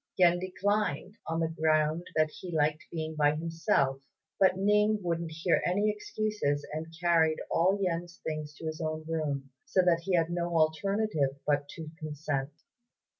Yen declined, on the ground that he liked being by himself; but Ning wouldn't hear any excuses, and carried all Yen's things to his own room, so that he had no alternative but to consent.